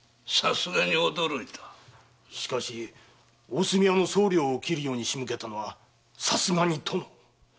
しかし大隅屋の総領を斬るように仕向けたのはさすがに殿。